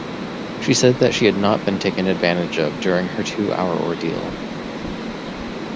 She said that she had not been taken advantage of during her two-hour ordeal.